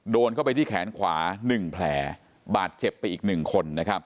โดนเข้าไปที่แขนขวา๑แผลบาดเจ็บไปอีก๑คนนะครับ